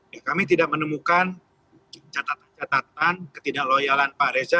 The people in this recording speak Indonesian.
ya kami tidak menemukan catatan catatan ketidakloyalan pak reza